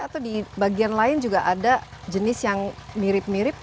atau di bagian lain juga ada jenis yang mirip mirip